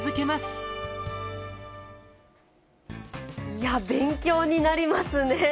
いや、勉強になりますね。